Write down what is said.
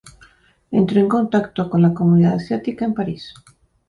Entró en contacto con la comunidad asiática en París.